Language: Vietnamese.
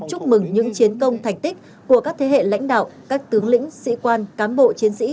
chúc mừng những chiến công thành tích của các thế hệ lãnh đạo các tướng lĩnh sĩ quan cán bộ chiến sĩ